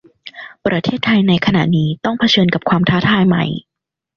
ประเทศไทยในขณะนี้ต้องเผชิญกับความท้าทายใหม่